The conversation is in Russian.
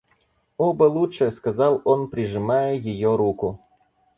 Оба лучше, — сказал он, прижимая ее руку.